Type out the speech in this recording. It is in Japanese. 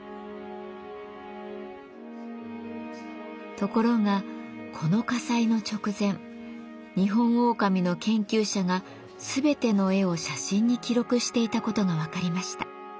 ところがこの火災の直前ニホンオオカミの研究者が全ての絵を写真に記録していたことが分かりました。